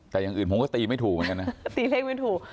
แต่อย่างอื่นผมก็ตีไม่ถูกเลยนะตีเลขเป็นถูก